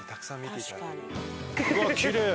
うわっきれい！